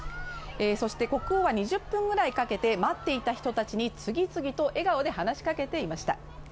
そして、国王は２０分ぐらいかけて、待っていた人たちに次々と笑顔で話しかけていました。